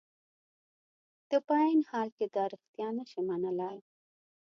ته په عین حال کې دا رښتیا نشې منلای.